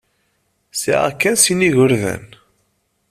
Sɛiɣ kan sin n yigerdan.